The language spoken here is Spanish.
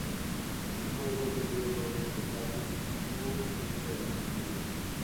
El juego sufrió dos retrasos en su fecha de lanzamiento.